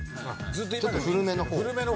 ちょっと古めの方を。